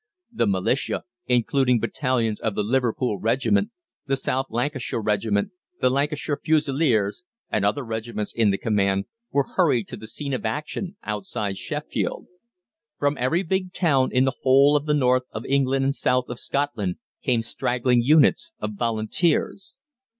The Militia, including battalions of the Liverpool Regiment, the South Lancashire Regiment, the Lancashire Fusiliers, and other regiments in the command, were hurried to the scene of action outside Sheffield. From every big town in the whole of the North of England and South of Scotland came straggling units of Volunteers.